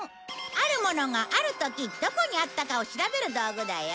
あるものがある時どこにあったかを調べる道具だよ。